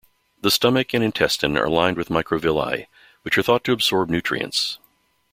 The stomach and intestine are lined with microvilli, which are thought to absorb nutrients.